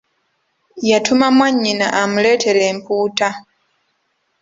Yatuma mwannyina amuleetere empuuta.